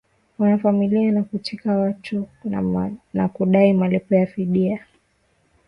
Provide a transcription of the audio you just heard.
wanavamia na kuteka watu na kudai malipo ya fidia